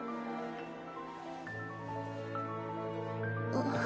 あっ。